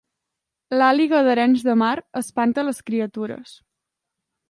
L'àliga d'Arenys de Mar espanta les criatures